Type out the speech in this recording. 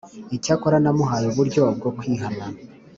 Icyakora namuhaye uburyo bwo kwihana,